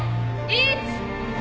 １！